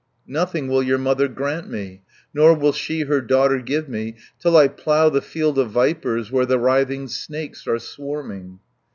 Nothing will your mother grant me, Nor will she her daughter give me, Till I plough the field of vipers, Where the writhing snakes are swarming."